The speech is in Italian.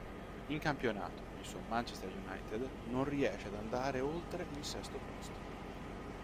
In campionato, il suo Manchester United non riesce ad andare oltre il sesto posto.